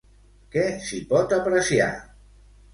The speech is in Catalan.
Què s'hi pot apreciar?